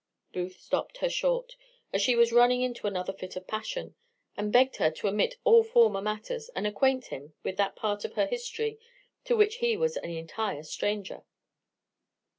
Booth stopt her short, as she was running into another fit of passion, and begged her to omit all former matters, and acquaint him with that part of her history to which he was an entire stranger.